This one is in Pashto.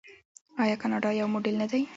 آیا کاناډا یو موډل نه دی؟